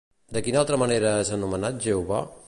De quina altra manera és anomenat Jehovà?